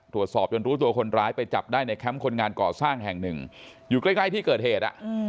ตรวจสอบจนรู้ตัวคนร้ายไปจับได้ในแคมป์คนงานก่อสร้างแห่งหนึ่งอยู่ใกล้ที่เกิดเหตุ